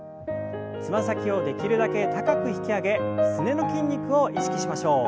つま先をできるだけ高く引き上げすねの筋肉を意識しましょう。